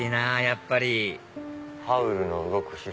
やっぱり『ハウルの動く城』